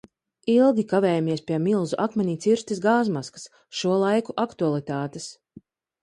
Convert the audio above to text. Ilgi kavējamies pie milzu akmenī cirstas gāzmaskas, šo laiku aktualitātes.